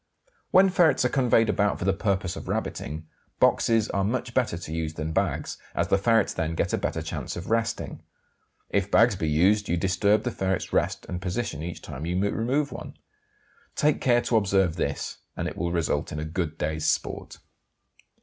When ferrets are conveyed about for the purpose of rabbiting, boxes are much better to use than bags, as the ferrets then get a better chance of resting. If bags be used you disturb the ferrets' rest and position each time you remove one. Take care to observe this and it will result in a good day's sport.